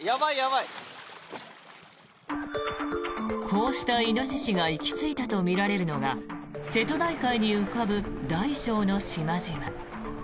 こうしたイノシシが行き着いたとみられるのが瀬戸内海に浮かぶ大小の島々。